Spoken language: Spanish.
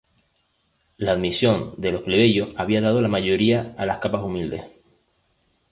La admisión de los plebeyos había dado la mayoría a las capas humildes.